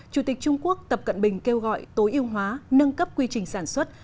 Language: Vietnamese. chủ tịch trung quốc tập cận bình kêu gọi tối ưu hóa nâng cấp quy trình sản xuất